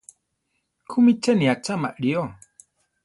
¿Kúmi cheni acháma lío?